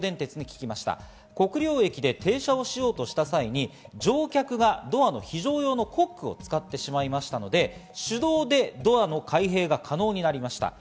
国領駅で停車をしようとした際に乗客がドアの非常用のコックを使ってしまったので、手動でドアの開閉が可能になりました。